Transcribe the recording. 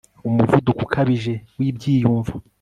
Umuvuduko ukabije wibyiyumvo